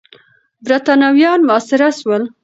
برتانويان محاصره سول.